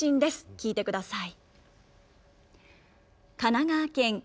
聴いてください。